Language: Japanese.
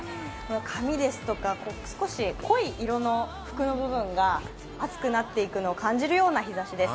髪ですとか濃い色の服の部分が熱くなっていくのを感じるような日です。